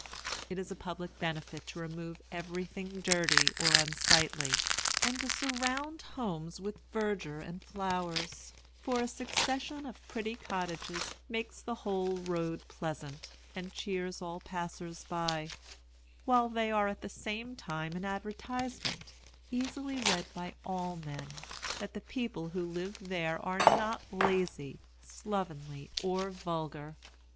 It is a public benefit to remove everything dirty or unsightly, and to surround homes with verdure and flowers; for a succession of pretty cottages makes the whole road pleasant, and cheers all passers by; while they are at the same time an advertisement, easily read by all men, that the people who live there are not lazy, slovenly, or vulgar.